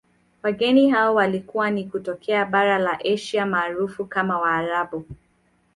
Wageni hao walikuwa ni kutokea bara la Asia maarufu kama waarabu